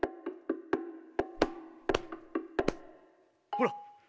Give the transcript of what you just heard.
ほら。